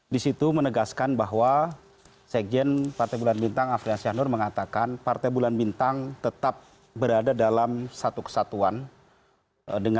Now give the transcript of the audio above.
di situ menegaskan bahwa sekjen partai bulan bintang afrian syahnur mengatakan partai bulan bintang tetap berada dalam satu kesatuan dengan rekomendasi pa dua ratus dua belas